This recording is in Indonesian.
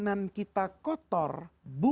maka setan itu tidak berani masuk